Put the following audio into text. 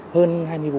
hơn hai mươi vụ